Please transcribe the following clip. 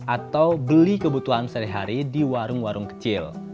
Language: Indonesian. atau beli kebutuhan sehari hari di warung warung kecil